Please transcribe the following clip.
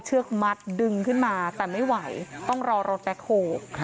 เชือกมัดดึงขึ้นมาแต่ไม่ไหวต้องรอรถแบ็คโฮล